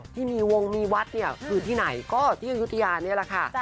ที่มีวงมีวัดเนี่ยคือที่ไหนก็ที่อายุทยานี่แหละค่ะ